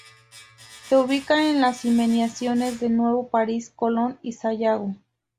Se ubica en las inmediaciones de Nuevo París, Colón y Sayago.